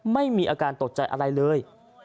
ไม่มีอาการตกใจอะไรเลย